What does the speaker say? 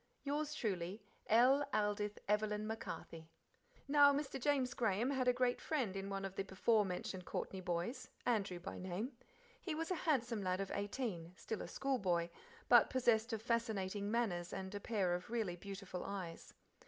Yours truly, L. Aldith Evelyn MacCarthy." Now Mr. James Graham had a great friend in one of the before mentioned Courtney boys, Andrew by name. He was a handsome lad of eighteen, still a schoolboy, but possessed of fascinating manners and a pair of really beautiful eyes.